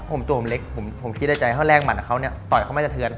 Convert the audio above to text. ผมตัวเล็กผมคิดในใจถ้าแรกหมันเขาก็ต่อยเขาไม่สะเทือน